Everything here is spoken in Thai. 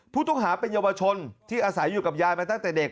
ผู้ต้องหาเป็นเยาวชนที่อาศัยอยู่กับยายมาตั้งแต่เด็ก